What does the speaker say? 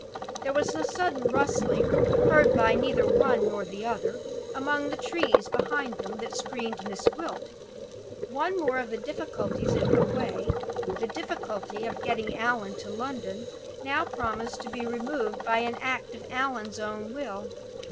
There was a sudden rustling heard neither by one nor the other among the trees behind them that screened Miss Gwilt. One more of the difficulties in her way (the difficulty of getting Allan to London) now promised to be removed by an act of Allan's own will.